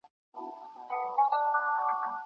د جرګي په ویناګانو کي به د حقیقت نښې وې.